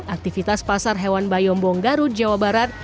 aktivitas pasar hewan bayombong garut jawa barat